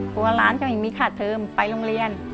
กลัวหลานจะไม่มีขาดเทอมไปโรงเรียน